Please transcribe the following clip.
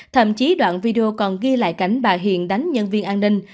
thậm chí đoạn video còn ghi lại cảnh bà hiền đánh nhân viên an ninh